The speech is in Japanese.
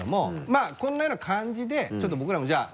まぁこんなような感じでちょっと僕らもじゃあ。